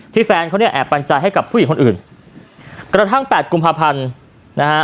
แฟนเขาเนี่ยแอบปัญญาให้กับผู้หญิงคนอื่นกระทั่งแปดกุมภาพันธ์นะฮะ